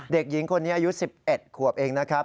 เด็กหญิงคนนี้อายุ๑๑ขวบเองนะครับ